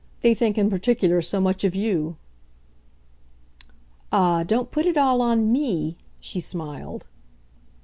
They think in particular so much of you." "Ah, don't put it all on 'me'!" she smiled.